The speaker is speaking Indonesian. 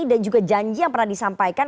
dan juga janji yang pernah disampaikan